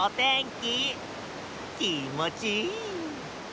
きもちいい。